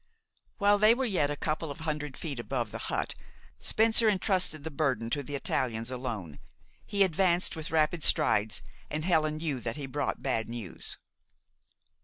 While they were yet a couple of hundred feet above the hut, Spencer intrusted the burden to the Italians alone. He advanced with rapid strides, and Helen knew that he brought bad news.